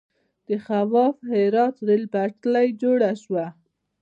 د خواف هرات ریل پټلۍ جوړه شوه.